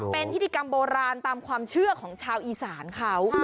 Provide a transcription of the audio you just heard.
เป็นพิธีกรรมโบราณตามความเชื่อของชาวอีสานเขา